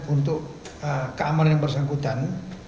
untuk keamanan yang bersangkutan